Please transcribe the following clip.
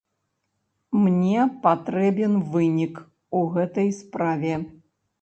Мне патрэбен вынік у гэтай справе.